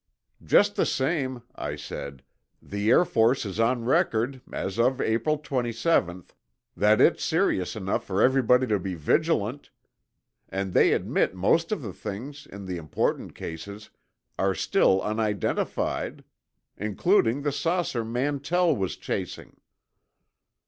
"Just the same," I said, "the Air Force is on record, as of April twenty seventh, that it's serious enough for everybody to be vigilant. And they admit most of the things, in the important cases, are still unidentified. Including the saucer Mantell was chasing."